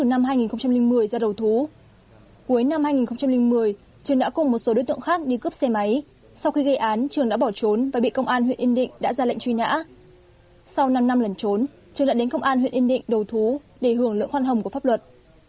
từ năm hai nghìn một mươi ra đầu thú cuối năm hai nghìn một mươi trường đã cùng một số đối tượng khác đi cướp xe máy sau khi gây án trường đã bỏ trốn và bị công an huyện yên định đã ra lệnh truy nã sau năm năm lẩn trốn trường đã đến công an huyện yên định đầu thú để hưởng lượng khoan hồng của pháp luật